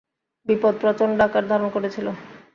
বিপদ প্রচণ্ড আকার ধারণ করেছিল।